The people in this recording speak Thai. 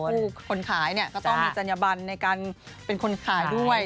คนขายเนี่ยก็ต้องมีจัญญบันในการเป็นคนขายด้วย